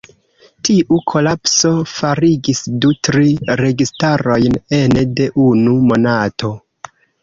Tiu kolapso faligis du-tri registarojn ene de unu monato.